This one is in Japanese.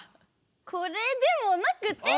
これでもなくて。